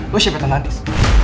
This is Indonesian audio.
lo siapa tenanis